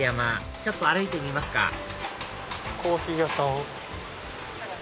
ちょっと歩いてみますかコーヒー屋さん。